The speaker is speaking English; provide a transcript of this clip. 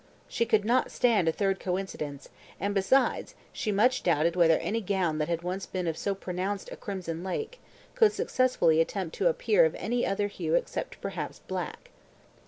She could not stand a third coincidence, and besides, she much doubted whether any gown that had once been of so pronounced a crimson lake, could successfully attempt to appear of any other hue except perhaps black.